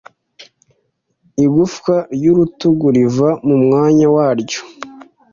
Igufwa ry’urutugu riva mu mwanya waryo